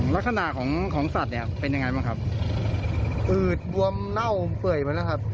ลักษณะของของสัตว์เนี่ยเป็นยังไงบ้างครับอืดบวมเน่าเปื่อยไปแล้วครับ